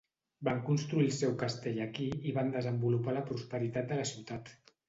Van construir el seu castell aquí i van desenvolupar la prosperitat de la ciutat.